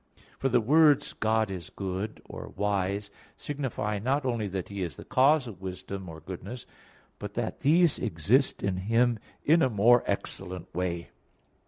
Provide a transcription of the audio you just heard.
For the words, "God is good," or "wise," signify not only that He is the cause of wisdom or goodness, but that these exist in Him in a more excellent way.